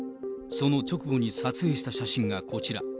その直後に撮影した写真がこちら。